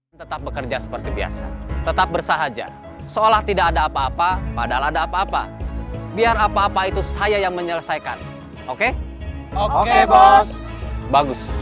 mau ketemu saeb